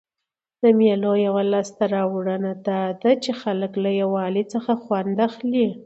د مېلو یوه لاسته راوړنه دا ده، چي خلک له یووالي څخه خوند اخلي.